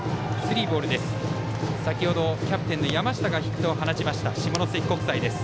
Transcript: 先程、キャプテンの山下がヒットを放ちました下関国際です。